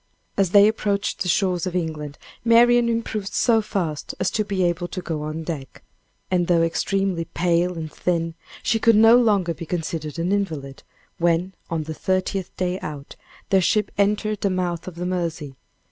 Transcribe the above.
As they approached the shores of England, Marian improved so fast as to be able to go on deck. And though extremely pale and thin, she could no longer be considered an invalid, when, on the thirtieth day out, their ship entered the mouth of the Mersey.